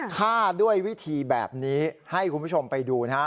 ฆ่าด้วยวิธีแบบนี้ให้คุณผู้ชมไปดูนะฮะ